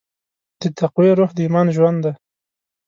د تقوی روح د ایمان ژوند دی.